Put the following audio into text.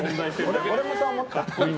俺もそう思ったよ。